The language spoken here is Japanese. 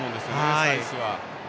サイスは。